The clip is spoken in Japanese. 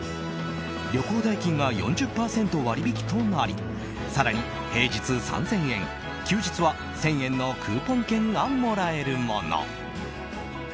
旅行代金が４０％割引となり更に平日３０００円休日は１０００円のクーポン券がもらえるもの。